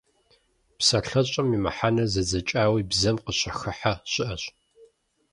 ПсалъэщӀэм и мыхьэнэр зэдзэкӀауи бзэм къыщыхыхьэ щыӏэщ.